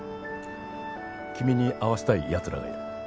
君に会わせたい奴らがいる。